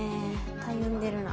たゆんでるな。